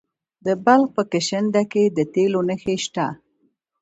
د بلخ په کشنده کې د تیلو نښې شته.